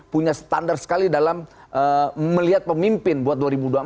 punya standar sekali dalam melihat pemimpin buat dua ribu dua puluh empat